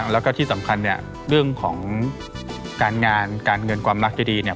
แล้วก็ที่สำคัญเนี่ยเรื่องของการงานการเงินความรักจะดีเนี่ย